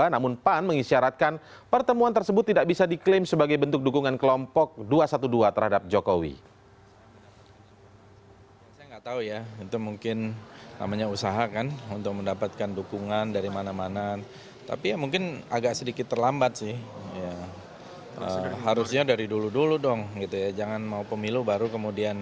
namun pan mengisyaratkan pertemuan tersebut tidak bisa diklaim sebagai bentuk dukungan kelompok dua ratus dua belas